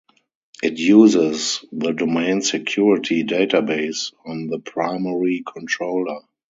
It uses the domain security database on the primary controller.